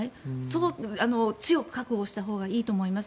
そう強く覚悟したほうがいいと思います。